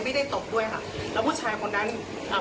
ไม่ได้ทำร้ายไม่ได้ตบด้วยค่ะ